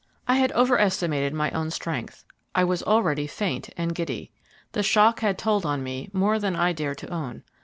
I had overestimated my own strength. I was already faint and giddy. The shock had told on me more than I dared to own.